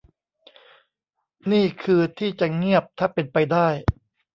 นี่คือที่จะเงียบถ้าเป็นไปได้